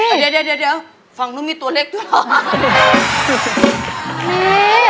เดี๋ยวฝั่งนู้นมีตัวเล็กด้วยเหรอ